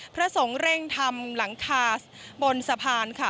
พระสงฆ์เร่งทำหลังคาบนสะพานค่ะ